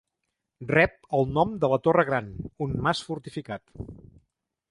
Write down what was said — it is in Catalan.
Rep el nom de la Torre Gran un mas fortificat.